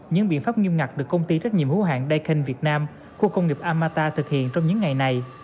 những biện pháp nghiêm ngặt được công ty trách nhiệm hữu hạng daken việt nam khu công nghiệp amata thực hiện trong những ngày này